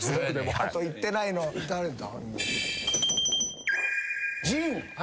あといってないの誰だ？陣！